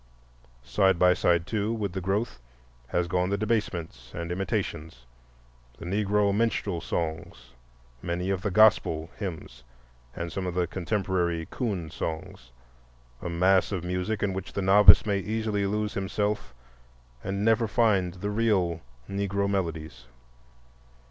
Side by side, too, with the growth has gone the debasements and imitations—the Negro "minstrel" songs, many of the "gospel" hymns, and some of the contemporary "coon" songs,—a mass of music in which the novice may easily lose himself and never find the real Negro melodies.